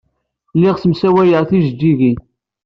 Lliɣ ssemsawayeɣ tijejjigin.